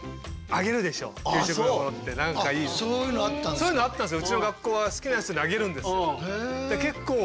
そういうのあったんすよ。